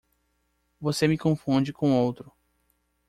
Você me confunde com outro.